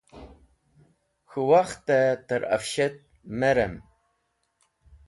K̃hũ wakhtẽ tẽrafshat me rem.